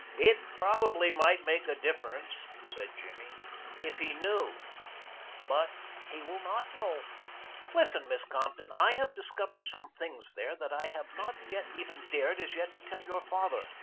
"It probably might make a difference," said Jimmy, "if he knew, but he will not know listen, Miss Compton, I have discovered some things there that I have not even dared as yet to tell your father.